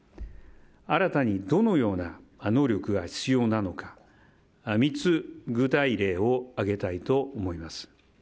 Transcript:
新たにどのような能力が必要なのか３つ、具体例を挙げたいと思います。